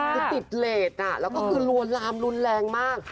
คือติดเลสแล้วก็คือลวนลามรุนแรงมาก